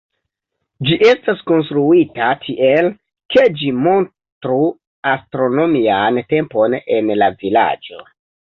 Ĝi estas konstruita tiel, ke ĝi montru astronomian tempon en la vilaĝo.